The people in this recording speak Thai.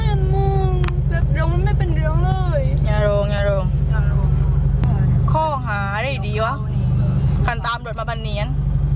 อย่าลงอย่าลงข้อหาได้ดีดีวะคันตามรถมาบรรเนียน